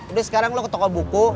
udah sekarang lo ke toko buku